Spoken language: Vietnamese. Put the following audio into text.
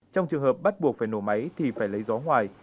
trong trường hợp bắt buộc phải nổ máy thì phải lấy gió ngoài